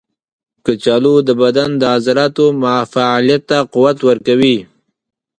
کچالو د بدن د عضلاتو فعالیت ته قوت ورکوي.